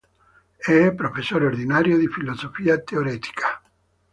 È professore ordinario di Filosofia Teoretica.